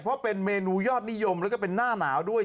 เพราะเป็นเมนูยอดนิยมแล้วก็เป็นหน้าหนาวด้วย